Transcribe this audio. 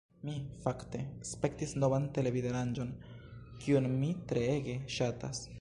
Mi, fakte, spektis novan televidaranĝon kiun mi treege ŝatas